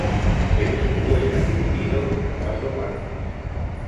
El escudo está dividido en cuatro partes.